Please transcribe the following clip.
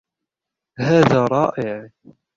هذا رائع